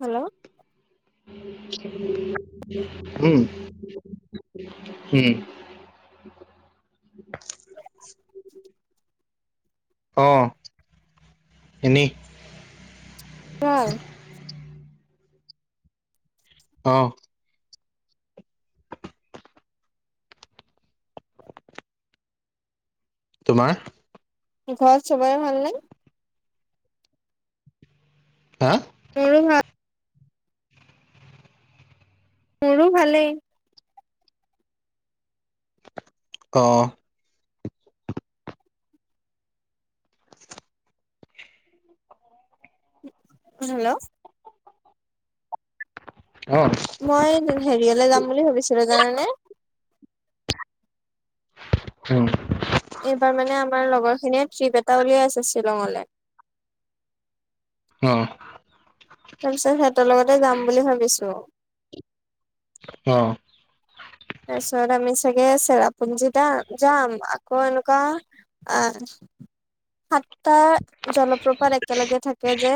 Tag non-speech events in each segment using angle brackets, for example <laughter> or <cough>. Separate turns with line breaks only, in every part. Hello
উম, উম, অ', এনেই
অ',
অ', তোমাৰ
ঘৰত চবৰে ভাল নে?
হা
এইটো হয়। মোৰো ভালেই,
অ',
হেল্ল'
অ',
মই, হেৰিয়লৈ যাম বুলি ভাবিছিলো, জানোনে
উম,
এইবাৰ মানে, আমাৰ লগৰ খিনিয় ট্ৰিপ এটা উলিয়াই আছে শ্বিলঙলে
অ',
তাৰ পিছত, সিহঁতৰ লগতে যাম বুলি ভাবিছো
অ',
তাৰপিছত, আমি চাগে চেৰাপুঞ্জী দাম যাম আকৌ এনেকুৱা অ', সাতটা, জলপ্ৰপাত একেলগে থাকে যে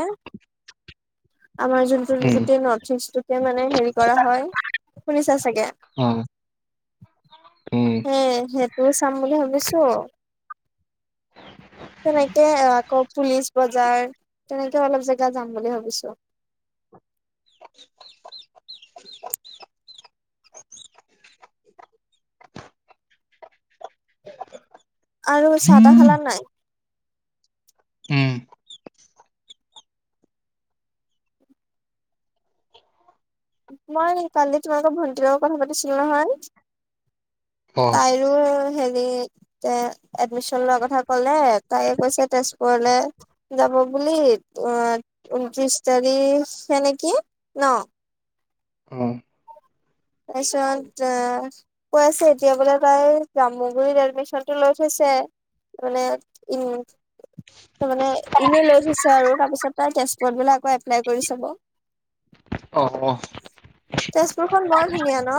আমাৰ যোনটো <unintelligible>
উম,
যিটোকে মানে হেৰি কৰা হয়, শুনিছা চাগে,
অ', উম,
হে সেইটোও চাম বুলি ভাবিছো। তেনেকে আকৌ, পুলিচ বজাৰ তেনেকে অলপ জেগা যাম বুলি ভাবিছো। আৰু, চাহ তাহ খালা নাই?
উম,
মই কালি তোমালোকৰ ভণ্টিৰ লগত কথা পাতিছিলো নহয়
অ',
তাই আৰু হেৰি তে এডমিচন লোৱা কথা ক'লে তাকে কৈছে তেজপুৰলে যাব বুলি অ ঊনত্ৰিশ তাৰিখে নেকি ন,
অ',
তাৰপিছত কৈ আছে এতিয়া বোলে তাই জাম্মুগুৰিত এডমিচনটো লৈ থৈছে। মানে উম। তাৰ মানে এনেই লৈ থৈছে আৰু তাৰপিছত তাৰ তেচপট বিলাক আকৌ এপ্লাই কৰি চাব। <inaudible>
অ'।
তেজপুৰখন বৰ ধুনীয়া, ন?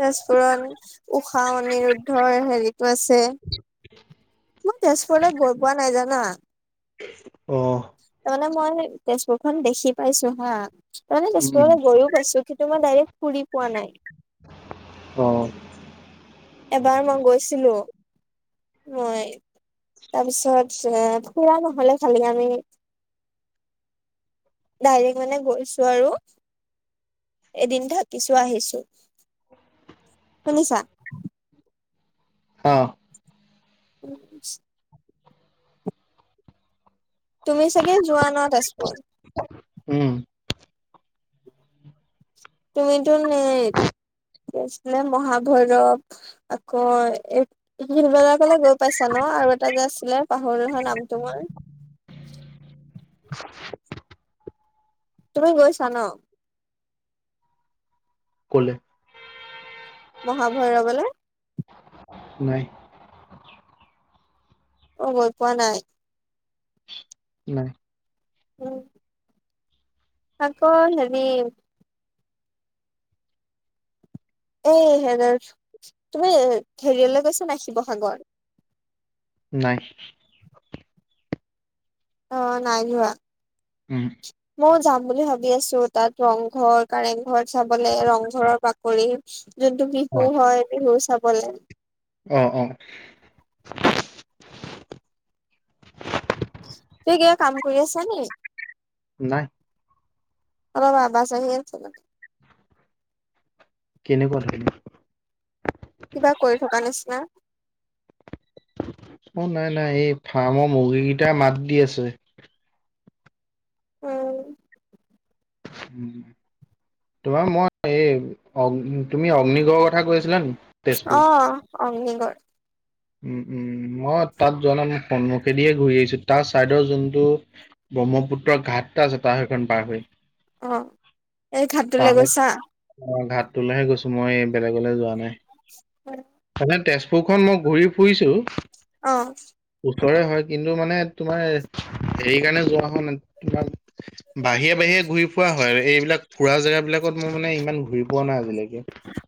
তেজপুৰত, ঊষা-অনিৰুদ্ধৰ হেৰিটো আছে। মই তেজপুৰলৈ গৈ পোৱা নাই, জানা।
অ'।
তাৰমানে, মই তেজপুৰখন দেখি পাইছোঁ, হাঁ। তাৰে
উম,
তাতো গৈও পাইছোঁ, কিন্তু মই ডাইৰেক্ট ফুৰি পোৱা নাই।
অ'।
এবাৰ, মই গৈছিলোঁ, মই। তাৰ পিছত, ফুৰা নহ'ল। খালী আমি ডাইৰেক্ট, মানে, গৈছোঁ, আৰু এদিন থাকিছোঁ, আহিছোঁ। শুনিছা?
অ',
উ <unintelligible> তুমি, চাগে, জোৱানত আছ, বোন?
উম।
তুমিতো, ন, গৈছিলা মহাভৈৰৱলৈ, আকৌ? শিলবেলালৈ গ'লে গৈ পাইছা, ন? আৰু এটা যে আছিল, পাহৰি গ'লোঁ নামটো মোৰ। তুমি গৈছা, ন?
ক'লে
মহাভৈৰৱলৈ
নাই।
অ, গ'ল পোৱা নাই।
নাই,
উ। আাকৌ, হেৰি এ, হঁ। তুমি হেৰিয়লৈ গৈছ নে, শিৱসাগৰত?
নাই।
অ, নাই যোৱা।
উম।
ময়ো যাম বুলি ভাবি আছোঁ। তাত, ৰংঘৰ, কাৰেংঘৰ চাবলৈ, ৰংঘৰৰ বাকৰিও যোনটো
অ',
বিহু হয়, বিহু চাবলৈ।
অ', অ'।
তই ক'ৰ, কাম কৰি আছনে?
নাই।
অ, বাবা, চাহ হৈছিল নে?
কেনেকুৱা, ক?
কিবা কৰি থকা নিচিনা।
অ, নাই, নাই এই ফাৰ্মৰ মুৰ্গীকেইটাই মাত দি আছে।
উম।
উম। তোমাৰ, মই এই অ, তুমি অগ্নিগড়ৰ কথা কৈ আছিলা, কি?
অ, অগ্নিগড়।
উম, উম, মই তাত যাওঁ। সন্মুখেদি ঘূৰি আহিছোঁ। তাৰ চাইডৰ যোনটো ব্ৰহ্মপুত্ৰৰ ঘাটটো চাই, সেইখন পাৰ হৈ
অ, এই ঘাটটোলৈ
তালৈ
গৈছা?
অ, ঘাটটোলৈহে গৈছোঁ। মই বেলেগলৈ যোৱা নাই।
<inaudible>
মানে, তেজপুৰখন মই ঘূৰি ফুৰিছোঁ।
অ',
ওচৰেই হয়। কিন্তু, মানে, তোমাৰ হেৰিৰ কাৰণে যোৱা হোৱা নাই, তোমাক। বাহিৰে-বাহিৰে ঘূৰি ফুৰা হয়। এইবিলাক ফুৰা জেগাবিলাকত, মই মানে, ইমান ঘূৰি পোৱা নাই আজিলৈকে।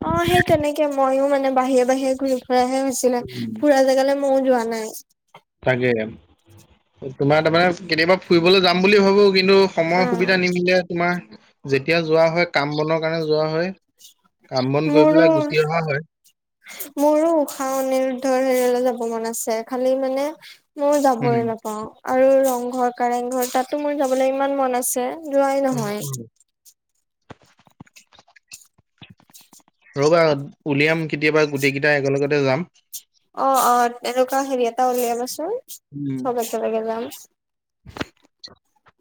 অ', সেই তেনেকেই। ময়ো, মানে, বাহিৰে-বাহিৰে ঘূৰি ফুৰাহে হৈছিলোঁ,
উম,
পুৰা। তে কাললে মই যোৱা নাই
তাকে তোমাৰ তাৰমানে কেতিয়াবা ফুৰিবলৈ যাম বুলি ভাবো কিন্তু সময়ৰ
অ',
সুবিধা নিমিলে তোমাৰ যেতিয়া যোৱা হয় কাম বনৰ কাৰণে যোৱা হয় কাম বন কৰি
মোৰো
পেলাই গুচি অহা হয়
মোৰো উষাহ অনিৰুদ্ধৰ হেৰিলৈ যাব মন আছে খালি মানে ময়
উম,
যাবই নাপাও আৰু ৰংঘৰ কাৰেংঘৰ তাতো মোৰ যাবলৈ ইমান মন আছে যোৱাই
উম,
নহয়
উম। ৰবা উলিয়াম কেতিয়াবা গোটেই কেইটা একেলগতে যাম
অ অ এনেকুৱা হেৰি এটা উলিয়াবাচোন
উম।
চব একেলগে যাম
<inaudible>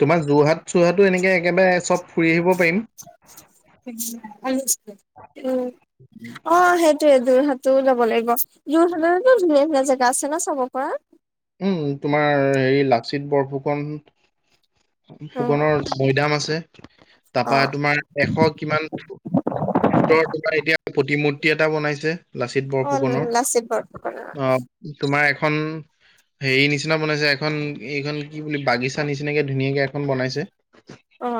তোমাৰ যোৰহাট চোৰহাটো এনেকৈ একেবাৰে চব ফুৰি আহিব পাৰিম
উ উ অ সেইটোয়ে টো যোৰহাটো যাব লাগিব যোৰহাটৰতো ধুনীয়া ধুনীয়া জেগা আছে ন চাব পৰা
উম তোমাৰ হেৰি লাচিত বৰফুকন
অ',
ফুকনৰ মৈদাম আছে তাপা
অ',
তোমাৰ এশ কিমান ফুটৰ তোমাৰ এতিয়া প্ৰতিমূৰ্তি এটা বনাইছে লাচিত
অ',
বৰফুকনৰ
লাচিত বৰফুকনৰ
অ তোমাৰ এখন হেৰি নিচিনা বনাইছে এখন এইখন কি বুলি বাগিচা নিচিনাকে ধুনীয়াকৈ এখন বনাইছে
অ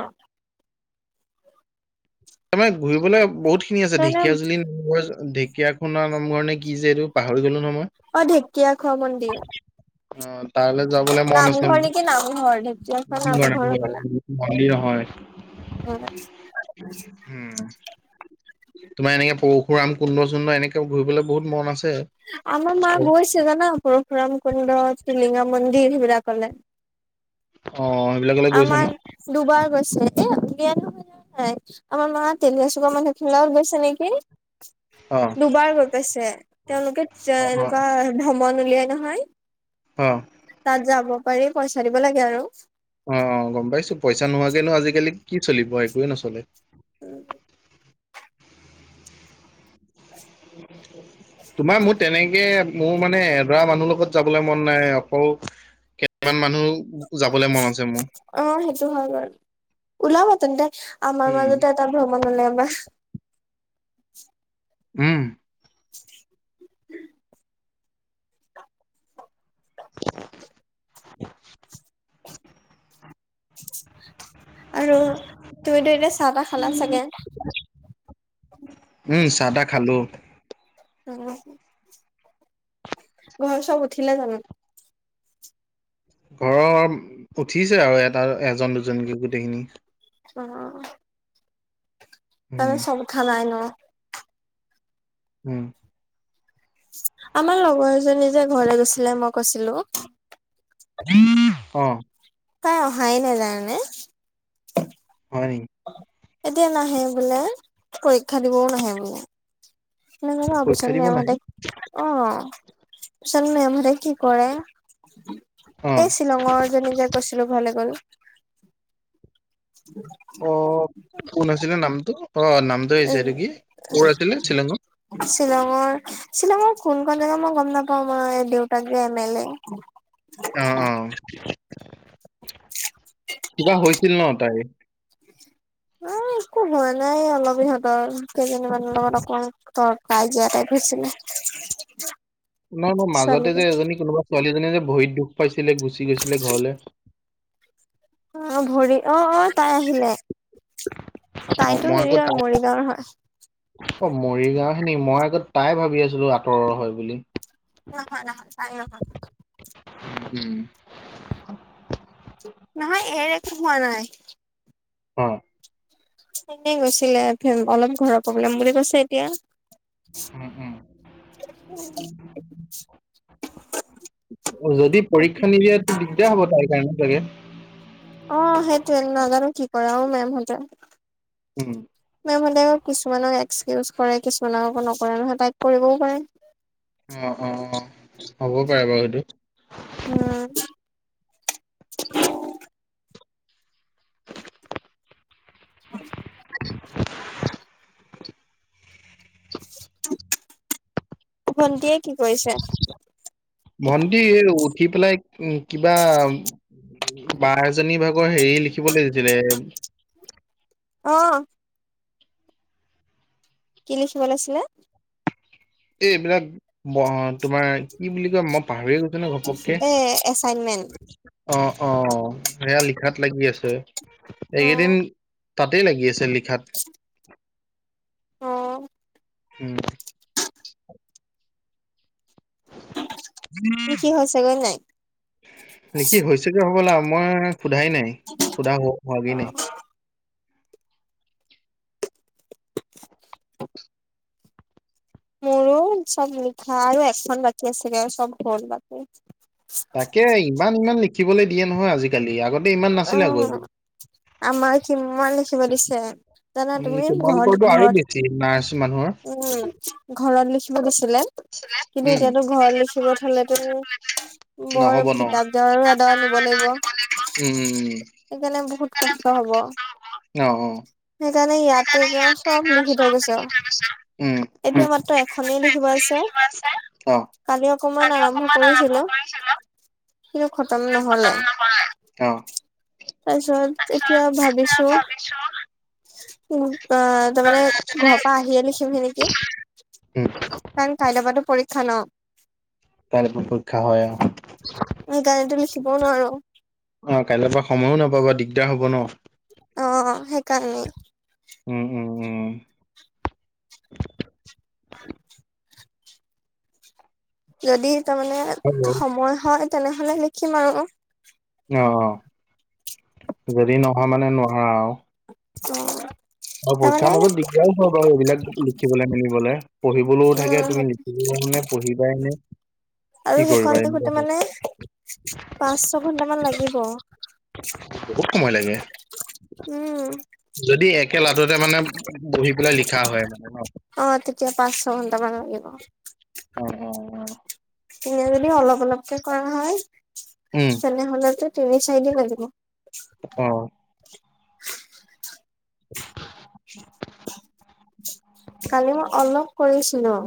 তাৰমানে ঘূৰিবলৈ বহুত খিনি আছে ঢেকীয়া জুলিল ঢেকীয়া খুনৰ নামঘৰ নে কি যে এইটো পাহৰি গ'লো নহয় মই
অ ঢেকীয়াখোৱা মন্দিৰ
অ তাৰলে যাবলে মন আছে
নামঘৰ নেকি নামঘৰ ঢেকীয়াখোৱা নামঘৰ
মোৰ
হ'বলা।
ভালি নহয়
উম
হম তোমাৰ এনেকে পৰশুৰাম কুণ্ড চুণ্ড এনেকে ঘুৰিবলৈ বহুত মন আছে
আমাৰ মা গৈছে জানা পৰশুৰাম কুণ্ড টিলিঙা মন্দিৰ সেইবিলাকলে
অ' সেইবিলাকলৈ গৈছে ন
আমাৰ দুবাৰ গৈছে দে ন আমাৰ মা তেলিয়া চুকৰ মানুহ খিনি লগত গৈছে নেকি
অ
দুবাৰ গৈ পাইছে তেওঁলোকে
অ',
এনেকুৱা ভ্ৰমণ উলিয়াই নহয়
অ
তাত যাব পাৰি পইচা দিব লাগে আৰু
অ গম পাইছো পইচা নোহোৱাকেনো আজিকালি কি চলিব একোৱে নচলে
উম
উ তোমাৰ মোৰ তেনেকে মোৰ মানে এডৰা মানুহৰ লগত যাবলৈ মন নাই অকল কেইটামান মানুহ যাবলৈ মন আছে মোৰ
অ সেইটো হয় বাৰু ওলাব তেন্তে আমাৰ
উম,
মাজতে ভ্ৰমণ হলে আমাৰ
উম <inaudible>
আৰু তুমি তো এনে চাহ তাহ খালা চাগে।
উম চাহ তাহ খালো।
উ ঘৰ চব উঠিলে জানো।
ঘৰৰ উঠিছে আৰু এটা এজন দুজনকে গোটেইখিনি
অ'। তাতে
উম,
সব খানাই ন।
উম।
আমাৰ লগৰ এজনী যে ঘৰেলৈ গৈছিলে মই কৈছিলোঁ
অ'।
তাই অহাই নাই জানানে।
হয় নি।
এতিয়া নাহে বোলে পৰীক্ষা দিবও নাহে বোলে। নাজানো অফিচৰ
পৰীক্ষা দিব
নিয়ম
নাহি?
মতে অ', চাও মেম হতে কি কৰে
অ',
ইছ শ্বিলঙৰ এজনী যে কৈছিলো ঘৰলৈ গল।
অ', কোন আছিলে নামটো অ নামটো আহিছে নেকি ক'ৰ আছিলে শ্বিলঙৰ
শ্বিলঙৰ শ্বিলঙৰ কোনখন জেগা মই গম নাপাও মই দেউতাক যে এম এল এ
অ', অ', কিবা হৈছিল ন তাই
<inaudible> অ', একো হোৱা নাই অলপ ইহঁতৰ কেইজনীমানৰ লগত অকণমান তৰ কাজিয়া টাইপ হৈছিলে।
নহয়, নহয় মাজতে যে
ছোৱালীজনী
এজনী কোনোবা ছোৱালীজনী যে ভৰিত দুখ পাইছিলে গুচি গৈছিলে ঘৰলৈ
অ', ভৰি অ', অ', তাই আহিলে
অ',
তাইতো
মই আকৌ
হেৰি ৰ
তাই
মৰিগাঁওৰ হয়।
অ', মৰিগাঁও হে নেকি মই আকৌ তাই ভাবি আছিলো আঁতৰৰ হয় বুলি।
নহয়, নহয় তাই নহয়।
উম।
নহয় এ একো হোৱা নাই।
অ'।
এনেই গৈছিলে অলপ ঘৰৰ প্ৰব্লেম বুলি কৈছে এতিয়া।
উম, উম,
<unintelligible>
যদি পৰীক্ষা নিদিয়া দিগদাৰ হ'ব তাইৰ কাৰণে চাগে।
অ', সেইটোয়ে নাজানো কি কৰে আৰু মেমহঁতে।
উম।
মেম হ'লে কিছুমানক এক্সকিউজ কৰে কিছুমানক আকৌ নকৰে নহয় তাইক কৰিবও পাৰে।
অ', অ', অ', হ'ব পাৰে বাৰু সেইটো
উম।
<unintelligible>
ভণ্টিয়ে কি কৰিছে?
ভন্টি উঠি পেলাই উ কিবা বা এজনী ভাগৰ হেৰি লিখিবলৈ দিছিলে
অ'। কি লিখিব ওলাইছিলে।
এই এইবিলাক ব তোমাৰ কি বুলি কয় ম পাহৰি গৈছে ন ঘপককে
এ এচাইনমেন্ট
অ', অ', সেয়া লিখাত লাগি আছে
অ
এইকেইদিন তাতেই লাগি আছে লিখাত।
<inaudible> অ'।
উম।
লিখি
<unintelligible>
হৈছেগৈ নাই
নেকি হৈছে হ'বলা মই সোধাই নাই সোধা হোৱাগে
অ
নাই।
মোৰো চব লিখা আৰু এখন বাকী আছিলে আৰু চব হ'ল বাৰু।
তাকে ইমান, ইমান লিখিবলৈ দিয়ে নহয় আজিকালি আগতে ইমান
অ
নাছিলে আগৰি।
আমাৰ কিমান লিখিব দিছে। জানা
উম
তুমি
তোমালোকৰতো
ঘৰত,
আৰু বেছি
ঘৰত
নাৰ্ছ মানুহৰ
উম, ঘৰত লিখিব গৈছিলে। কিন্তু
উম।
এতিয়াতো ঘৰত লিখিব থলেতো বৰ
নহ'ব ন।
কিতাপ জৰো এড নিব লাগিব।
উম, উম, উম।
সেইকাৰণে বহুত কষ্ট হ'ব।
অ', অ'। উম। অ'। অ'।
সেইকাৰণে ইয়াত চব লিখি থৈ গৈছো আৰু
উম,
এতিয়া মাত্ৰ এখনেই লিখিব আছে।
অ'।
কালি অকমান আৰম্ভ কৰিছিলো কিন্তু খতম নহয়।
অ'।
তাৰ পিছত এতিয়া ভাবিছো অ, তাৰমানে ঘৰৰ পৰা আহি লিখিম সি নেকি। তান কাই লবাতো পৰীক্ষা ন।
তাৰেপ পৰীক্ষা হয় আৰু।
গড়ীতটো লিখিবও নোৱাৰো।
অ, কাইৰ পৰা সময়ো নাপাবা দিগদাৰ হ'ব ন।
অ, সেইকাৰণেই।
উম, উম, উম।
যদি তাৰমানে
হয়।
সময় হয় তেনেহ'লে লিখিম আৰু।
অ', অ', যদি নহোৱা মানে নহা আৰু।
অ'।
আৰু পৰীক্ষাৰ মাজত দিগদাৰও হয় বাৰু এইবিলাক লিখিবলৈ মেলিবলৈ। পঢ়িবলৈও থাকে
উম
তুমি নিখিবে পঢ়িবা এনে
আৰু সুকাল দেখোতে মানে পাঁচ, ছ ঘন্টা মান লাগিব।
বহুত সময় লাগে।
উম।
যদি একে লাডুতে মানে পহি পেলাই লিখা হয় মানে।
অ, তেতিয়া পাঁচ, ছ ঘণ্টাামান লাগিব।
উ।
এনে যদি অলপ অলপকে কৰা হয়
উম,
তেনেহলেতো তিনি, চাৰিদিন লাগিব।
অ'। <unintelligible>
কালি মই অলপ কৰিছিল ন।